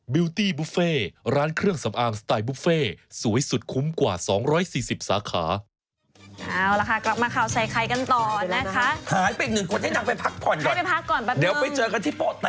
ไปไปอีกหนึ่งกวันให้นางไปพักผ่อนก่อน